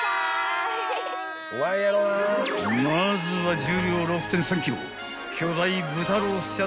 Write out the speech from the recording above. ［まずは重量６．３ｋｇ］